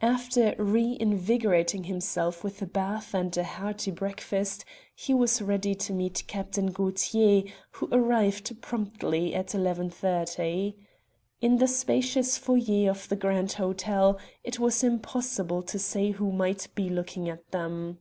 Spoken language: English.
After reinvigorating himself with a bath and a hearty breakfast, he was ready to meet Captain Gaultier, who arrived promptly at 11.30. In the spacious foyer of the Grand Hotel it was impossible to say who might be looking at them.